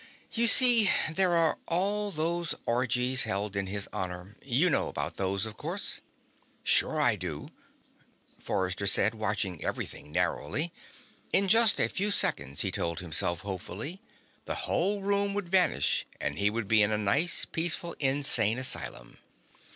"You see, there are all those orgies held in his honor. You know about those, of course." "Sure I do," Forrester said, watching everything narrowly. In just a few seconds, he told himself hopefully, the whole room would vanish and he would be in a nice, peaceful insane asylum.